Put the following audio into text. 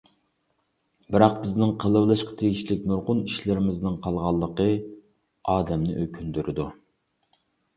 بىراق، بىزنىڭ قىلىۋېلىشقا تېگىشلىك نۇرغۇن ئىشلىرىمىزنىڭ قالغانلىقى ئادەمنى ئۆكۈندۈرىدۇ.